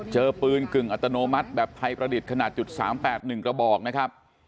เจอปืนกึ่งอัตโนมัติแบบไทยประดิษฐ์ขนาด๓๘๑กระบอกนะครับ